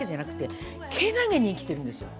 けなげに生きているんですよ